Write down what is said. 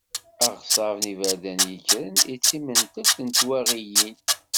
Aɣṣab d yiberdan yekkren i d timentelt n twaɣiyin.